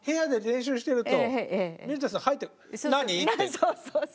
そうそうそうそう。